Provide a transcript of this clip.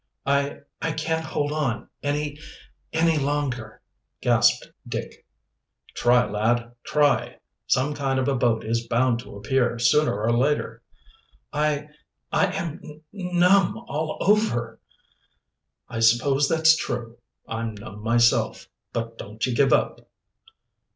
"I I can't hold on any any longer!" gasped Dick. "Try, lad, try! Some kind of a boat is bound to appear, sooner or later." "I I am nu numb all over." "I suppose that's true I'm numb myself. But don't ye give up."